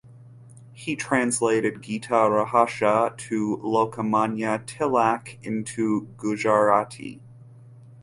He translated "Gita Rahasya" by Lokmanya Tilak into Gujarati.